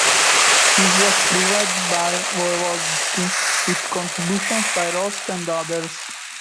This was proved by Voevodsky, with contributions by Rost and others.